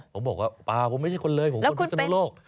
ผมบอกว่าปล่าวผมไม่ใช่คนเลยผมเป็นคนทุกษณะโลก